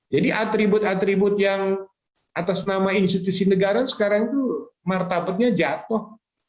jadi atribut atribut yang atas nama institusi negara sekarang itu martabutnya jatuh